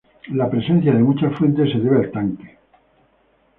La presencia de muchas fuentes se debe al tanque.